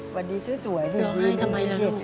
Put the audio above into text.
สวัสดีสวยที่ดีสวัสดีลูก